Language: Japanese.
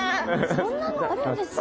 そんなのあるんですね。